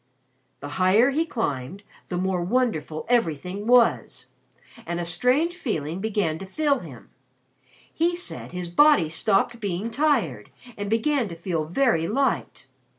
The higher he climbed, the more wonderful everything was, and a strange feeling began to fill him. He said his body stopped being tired and began to feel very light.